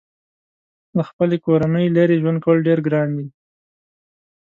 له خپلې کورنۍ لرې ژوند کول ډېر ګران دي.